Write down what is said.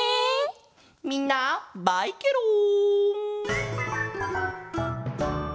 みんなバイケロン！